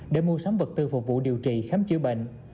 để mua sắm vật tư phục vụ điều trị khám chữa bệnh